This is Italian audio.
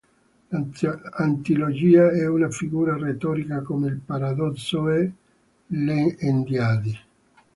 L'antilogia è una figura retorica come il paradosso o l'endiadi.